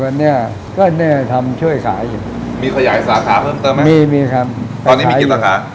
กันหมดแล้วเนอะเอาลูกเนี้ยมาต่อยอดชุมกิจอะไรแล้วบ้างไหม